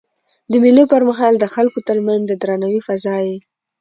د مېلو پر مهال د خلکو ترمنځ د درناوي فضا يي.